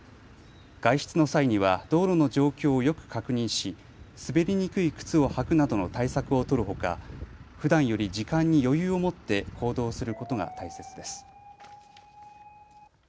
外出の際には道路の状況をよく確認し、滑りにくい靴を履くなどの対策を取るほかふだんより時間に余裕を持って行動することが大切です。